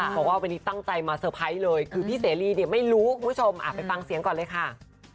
เพราะว่าวันนี้ตั้งใจมาเตอร์ไพรส์เลยคือพี่เสรีเนี่ยไม่รู้คุณผู้ชมไปฟังเสียงก่อนเลยค่ะ